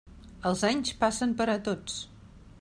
Els anys passen per a tots.